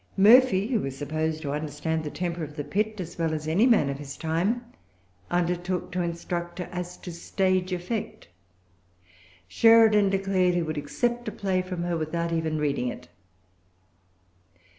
Murphy, who was supposed to understand the temper of the pit as well as any man of his time, undertook to instruct her as to stage effect. Sheridan declared that he would accept a play from her without even reading it.